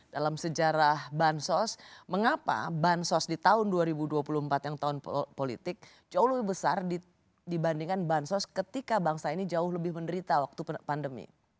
dalam sejarah bansos mengapa bansos di tahun dua ribu dua puluh empat yang tahun politik jauh lebih besar dibandingkan bansos ketika bangsa ini jauh lebih menderita waktu pandemi